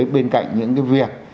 bên cạnh những cái việc